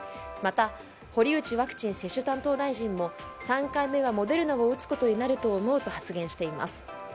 また堀内ワクチン接種担当大臣も３回目はモデルナを打つことになると思うと発言しています。